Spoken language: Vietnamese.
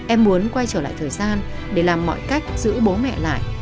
em muốn quay trở lại thời gian để làm mọi cách giữ bố mẹ lại